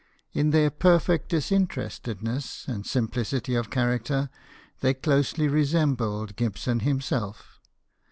In their perfect disinterestedness and simplicity of character they closely resembled Gibson him self.